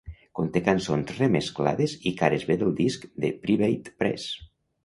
Conté cançons remesclades i cares b del disc "The Private Press".